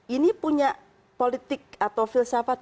ini punya politik atau filsafat